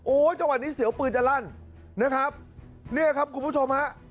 โอ้โหจังหวัดนี้เสียวปืนจะลั่นนะครับเนี่ยครับคุณผู้ชมฮะ